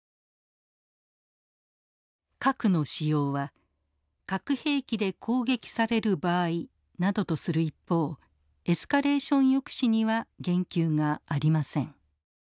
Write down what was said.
核の使用は核兵器で攻撃される場合などとする一方エスカレーション抑止には言及がありません。